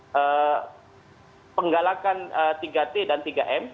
pertama penggalakan tiga t dan tiga m